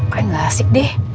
kayaknya gak asik deh